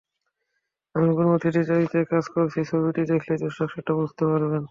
আমি কেন অতিথি চরিত্রে কাজ করছি, ছবিটি দেখলেই দর্শক সেটা বুঝতে পারবেন।